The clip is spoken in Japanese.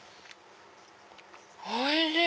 おいしい！